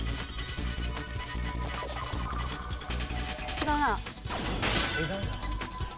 違うな。